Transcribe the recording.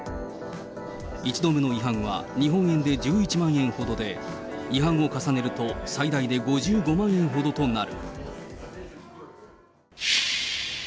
１度目の違反は日本円で１１万円ほどで、違反を重ねると、最大で５５万円ほどとなる。